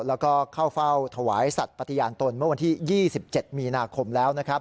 แล้วก็เข้าเฝ้าถวายสัตว์ปฏิญาณตนเมื่อวันที่๒๗มีนาคมแล้วนะครับ